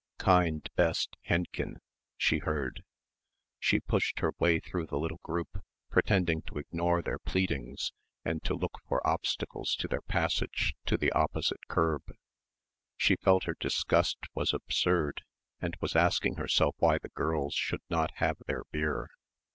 Kind best, Hendchen!" she heard. She pushed her way through the little group pretending to ignore their pleadings and to look for obstacles to their passage to the opposite curb. She felt her disgust was absurd and was asking herself why the girls should not have their beer.